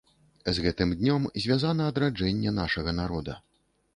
З гэтым днём звязана адраджэнне нашага народа.